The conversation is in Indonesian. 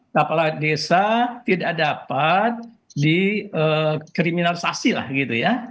kepala desa tidak dapat dikriminalisasi lah gitu ya